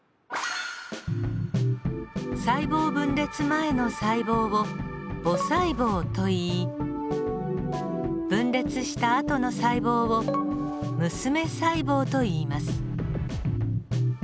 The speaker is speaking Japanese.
細胞分裂前の細胞を母細胞といい分裂したあとの細胞を娘細胞といいます。